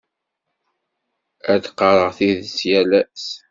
Ad d-qqareɣ tidet yal ass.